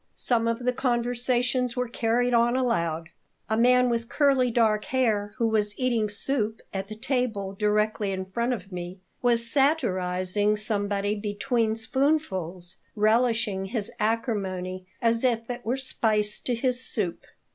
Some of the conversations were carried on aloud. A man with curly dark hair who was eating soup at the table directly in front of me was satirizing somebody between spoonfuls, relishing his acrimony as if it were spice to his soup.